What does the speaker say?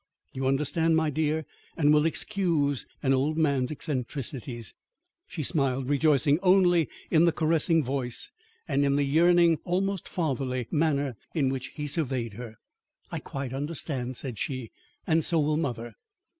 You understand, my dear, and will excuse an old man's eccentricities?" She smiled, rejoicing only in the caressing voice, and in the yearning, almost fatherly, manner with which he surveyed her. "I quite understand," said she; "and so will mother."